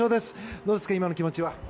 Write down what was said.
どうですか、今の気持ちは。